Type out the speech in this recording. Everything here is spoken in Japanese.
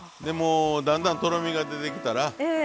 だんだんとろみが出てきたら。